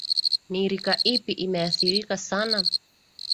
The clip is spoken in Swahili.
ni rika ipi imeathirika sana